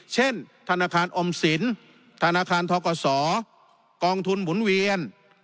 เช่นธนาคารออมสินธนาคารทกศกองทุนหมุนเวียน